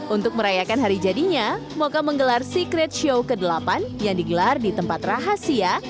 untuk merayakan hari jadinya mocha menggelar secret show ke delapan yang digelar di tempat rahasia